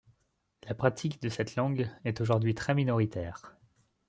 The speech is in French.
La pratique de cette langue est aujourd'hui très minoritaire.